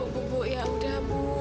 bu bu yaudah bu